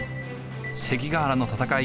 関ヶ原の戦い